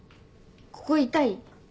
ここ痛い？